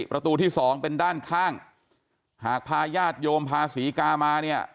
ประตูที่สองเป็นด้านข้างหากพาญาติโยมพาศรีกามาเนี่ย